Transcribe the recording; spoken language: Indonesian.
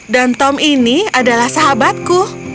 dan tom ini adalah sahabatku